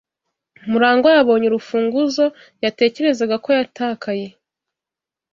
Murangwa yabonye urufunguzo yatekerezaga ko yatakaye.